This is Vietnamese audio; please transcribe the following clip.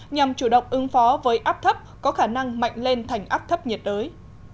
nhằm chủ động ứng phó với áp thấp có khả năng mạnh lên thành áp thấp nhiệt đới